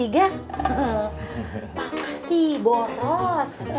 gak masalah sih boros